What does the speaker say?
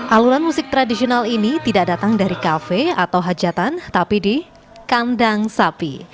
alunan musik tradisional ini tidak datang dari kafe atau hajatan tapi di kandang sapi